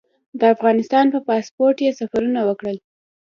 د افغانستان په پاسپورټ یې سفرونه وکړل.